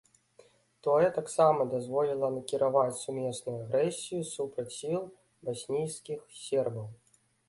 Тое таксама дазволіла накіраваць сумесную агрэсію супраць сіл баснійскіх сербаў.